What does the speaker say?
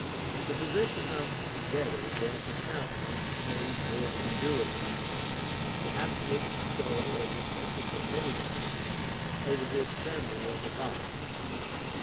The position of the debtor was apparently made more endurable. The absolute control of the pater familias over his family was abolished.